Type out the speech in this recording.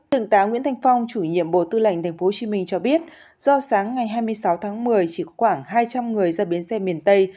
thượng tá nguyễn thanh phong chủ nhiệm bộ tư lệnh tp hcm cho biết do sáng ngày hai mươi sáu tháng một mươi chỉ khoảng hai trăm linh người ra biến xe miền tây